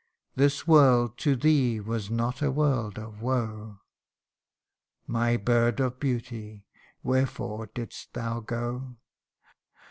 This world to thee was not a world of woe : My bird of beauty ! wherefore didst thou go